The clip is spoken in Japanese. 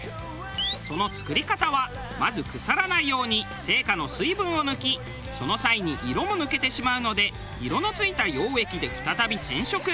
その作り方はまず腐らないように生花の水分を抜きその際に色も抜けてしまうので色の付いた溶液で再び染色。